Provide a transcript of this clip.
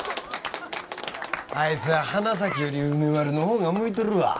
あいつは花咲より梅丸の方が向いとるわ。